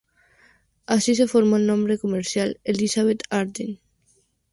Así se formó el nombre comercial "Elizabeth Arden".